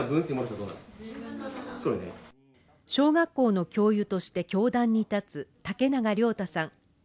小学校の教諭として教壇に立つ竹永亮太さん。